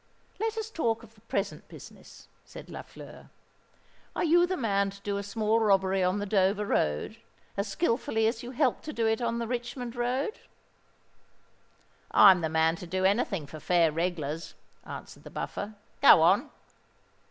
"Let us talk of the present business," said Lafleur. "Are you the man to do a small robbery on the Dover road, as skilfully as you helped to do it on the Richmond road?" "I'm the man to do any thing for fair reglars," answered the Buffer. "Go on."